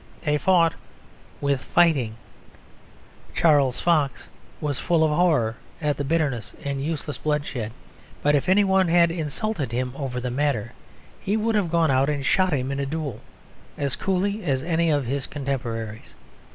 They fought with fighting. Charles Fox was full of horror at the bitterness and the useless bloodshed; but if any one had insulted him over the matter, he would have gone out and shot him in a duel as coolly as any of his contemporaries.